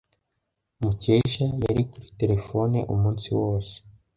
Mukesha yari kuri terefone umunsi wose.